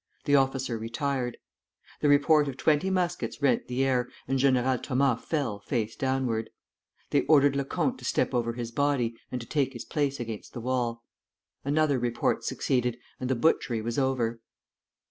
The officer retired. The report of twenty muskets rent the air, and General Thomas fell, face downward. They ordered Lecomte to step over his body, and to take his place against the wall. Another report succeeded, and the butchery was over.